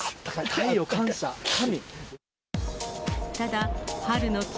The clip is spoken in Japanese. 太陽感謝、神。